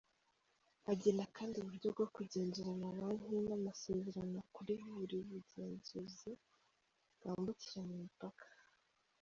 Agena kandi uburyo bwo kugenzura amabanki n’amasezerano kuri ubu bugenzuzi bwambukiranya imipaka.